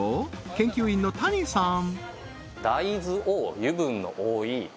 研究員の谷さん